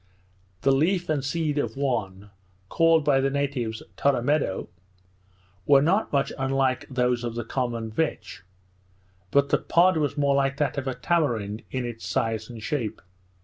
The leaf and seed of one (called by the natives Torromedo) were not much unlike those of the common vetch; but the pod was more like that of a tamarind in its size and shape.